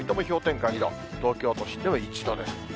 氷点下２度、東京都心でも１度です。